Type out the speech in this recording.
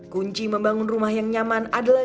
kunci membangun rumah yang nyaman adalah